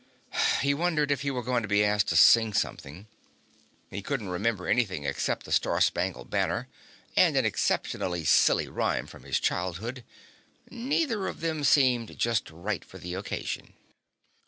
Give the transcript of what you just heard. He wondered if he were going to be asked to sing something. He couldn't remember anything except the Star Spangled Banner and an exceptionally silly rhyme from his childhood. Neither of them seemed just right for the occasion.